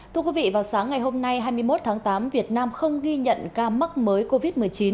thưa quý vị vào sáng ngày hôm nay hai mươi một tháng tám việt nam không ghi nhận ca mắc mới covid một mươi chín